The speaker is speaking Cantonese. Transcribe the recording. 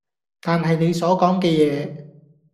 但係你所講嘅嘢